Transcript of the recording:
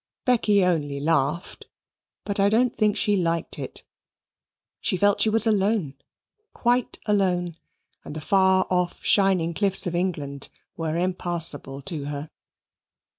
Becky only laughed: but I don't think she liked it. She felt she was alone, quite alone, and the far off shining cliffs of England were impassable to her.